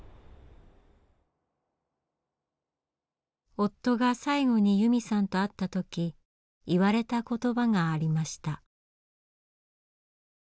夫が最後に由美さんと会った時言われた言葉がありました。